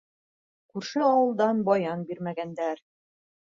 Күрше ауылда баян бирмәгәндәр.